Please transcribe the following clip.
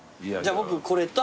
僕これと。